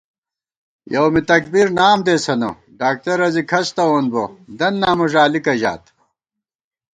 یوم تکبیر نام دېسَنہ ڈاکترہ زی کھڅ تَوونبہ دن نامہ ݫالِکہ ژات